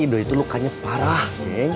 ido itu lukanya parah ceng